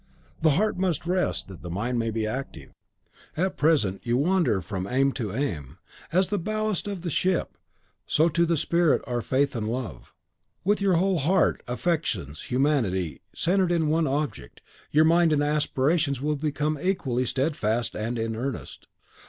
The heart must rest, that the mind may be active. At present you wander from aim to aim. As the ballast to the ship, so to the spirit are faith and love. With your whole heart, affections, humanity, centred in one object, your mind and aspirations will become equally steadfast and in earnest.